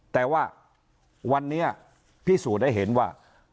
แต่ว่าวันนี้พิสูจน์ได้เห็นว่า